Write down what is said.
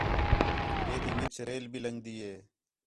ہے تی وِِچ ریل بھی لنڳدی ہِے